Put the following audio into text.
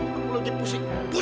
siapa dia mas wisnu